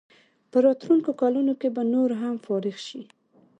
په راتلونکو کلونو کې به نور هم فارغ شي.